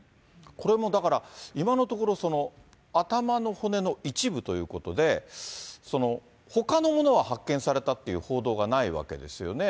これもだから、今のところ、頭の骨の一部ということで、ほかのものは発見されたという報道がないわけですよね。